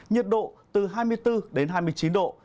nhiệt độ từ hai mươi bốn đến hai mươi chín độ